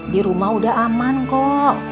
dirumah udah aman kok